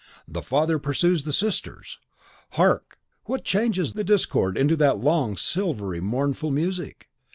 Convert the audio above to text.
The father pursues the sisters. Hark! what changes the dread the discord into that long, silvery, mournful music?